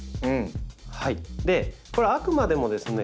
これあくまでもですね